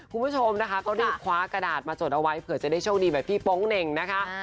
คุณผู้ชมนะคะก็รีบคว้ากระดาษมาจดเอาไว้เผื่อจะได้โชคดีแบบพี่โป๊งเหน่งนะคะ